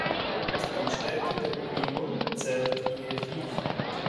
Zu den Stärken der Union zählt ihre Vielfalt.